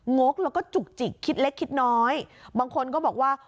งกแล้วก็จุกจิกคิดเล็กคิดน้อยบางคนก็บอกว่า